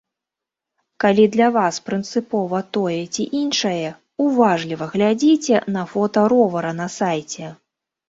Калі для вас прынцыпова тое ці іншае, уважліва глядзіце на фота ровара на сайце.